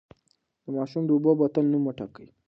د ماشوم د اوبو بوتل نوم وټاکئ.